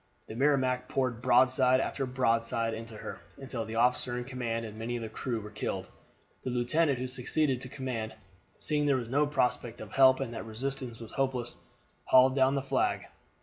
The Merrimac poured broadside after broadside into her, until the officer in command and many of the crew were killed. The lieutenant who succeeded to the command, seeing there was no prospect of help, and that resistance was hopeless, hauled down the flag.